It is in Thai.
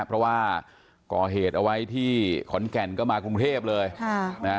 เพราะว่าก่อเหตุเอาไว้ที่ขอนแก่นก็มากรุงเทพเลยค่ะนะฮะ